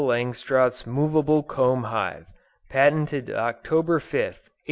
LANGSTROTH'S MOVABLE COMB HIVE. Patented October 5, 1862.